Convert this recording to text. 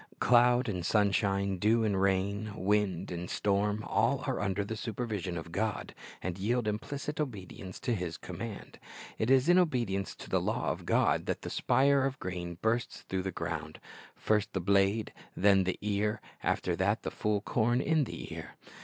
Cloud and sunshine, dew and rain, wind and storm, all are under the supervision of God, and yield implicit obedience to His command. It is in obedience to the law of God that the spire of grain bursts through the ground, "first the blade, then the ear, after that the full corn in the ear."